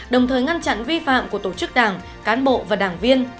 đồng thời ngăn chặn vi phạm của tổ chức đảng cán bộ và đảng viên